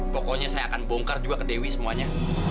pokoknya saya akan bongkar juga ke dewi semuanya